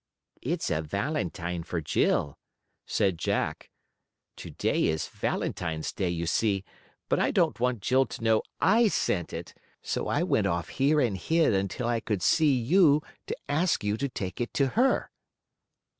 "It's a valentine for Jill," said Jack. "To day is Valentine's Day, you see, but I don't want Jill to know I sent it, so I went off here and hid until I could see you to ask you to take it to her."